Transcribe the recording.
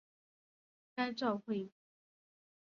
该照会并未列入会议记文。